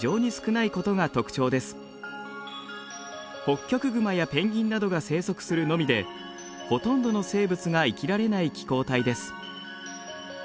ホッキョクグマやペンギンなどが生息するのみでほとんどの生物が生きられない気候帯です。